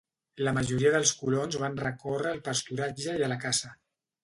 La majoria dels colons van recórrer al pasturatge i a la caça.